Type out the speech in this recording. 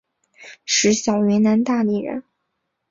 石晓云南大理人。